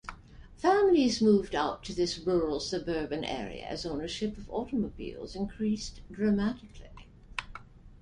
Families moved out to this rural suburban area as ownership of automobiles increased dramatically.